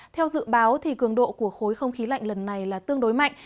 theo dự báo cường độ của khối không khí lạnh lần này là tương đối mạnh